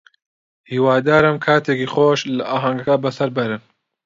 هیوادارم کاتێکی خۆش لە ئاهەنگەکە بەسەر بەرن.